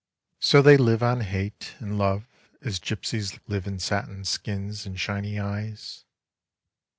So they live on hate and love as gypsies live in satin skins and shiny eyes.